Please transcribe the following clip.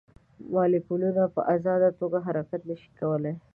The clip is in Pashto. مالیکولونه په ازاده توګه حرکت نه شي کولی.